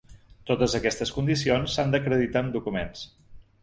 Totes aquestes condicions s’han d’acreditar amb documents.